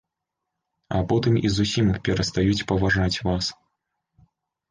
А потым і зусім перастаюць паважаць вас.